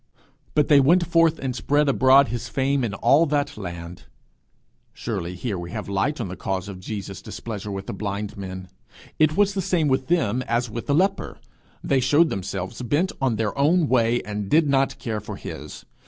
'But they went forth, and spread abroad his fame in all that land.' Surely here we have light on the cause of Jesus' displeasure with the blind men! it was the same with them as with the leper: they showed themselves bent on their own way, and did not care for his.